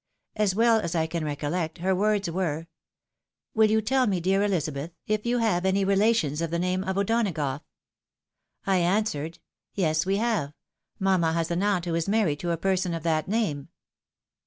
As well as I can recollect, her words were, ' WiU you tell me, dear Ehzabeth, if you have any relations of the 318 THE WIDOW MARRIED. name of O'Donagough? ' I answered, ' Yes, we have ; mamma has an aunt who is married to a person of that name.'